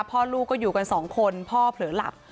ลูกก็อยู่กันสองคนพ่อเผลอหลับ